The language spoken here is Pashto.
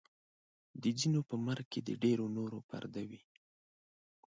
د ځینو په مرګ کې د ډېرو نورو پرده وي.